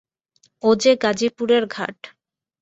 ও-যে গাজিপুরের ঘাট।